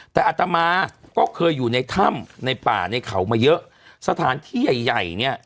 แต่อัตมาก็เคยอยู่ในถ้ำในป่าในเขามาเยอะสถานที่ใหญ่ใหญ่เนี่ย